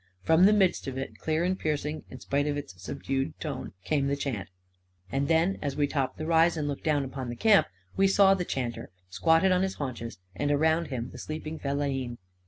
From the midst of it, clear and piercing in spite of its subdued tone, came the chant. And then, as we topped the rise and looked down upon the camp, we saw the chanter, squatted on his haunches, and around him the sleeping fellahin.